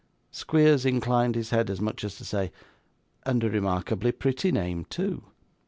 Squeers inclined his head as much as to say, 'And a remarkably pretty name, too.